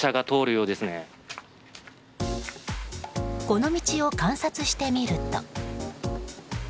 この道を観察してみると。